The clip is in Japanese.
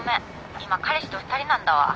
今彼氏と２人なんだわ。